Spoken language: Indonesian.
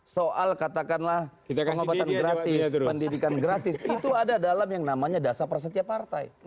soal katakanlah pengobatan gratis pendidikan gratis itu ada dalam yang namanya dasar persetia partai